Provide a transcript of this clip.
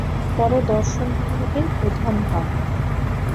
পরে দর্শন বিভাগের প্রধান হন।